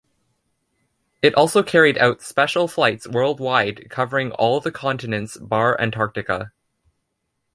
It also carried out special flights worldwide covering all the continents bar Antarctica.